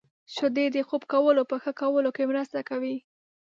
• شیدې د خوب کولو په ښه کولو کې مرسته کوي.